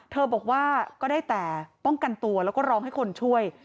บอกว่าก็ได้แต่ป้องกันตัวแล้วก็ร้องให้คนช่วย